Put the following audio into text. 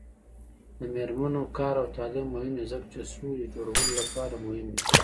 د میرمنو کار او تعلیم مهم دی ځکه چې سولې جوړولو لپاره مهم دی.